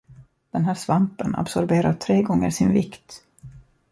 Den här svampen absorberar tre gånger sin vikt.